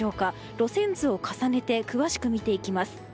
路線図を重ねて詳しく見ていきます。